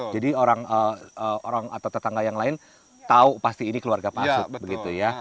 jadi orang atau tetangga yang lain tahu pasti ini keluarga pak asud